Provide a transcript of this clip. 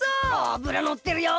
あぶらのってるよ！